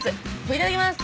いただきます。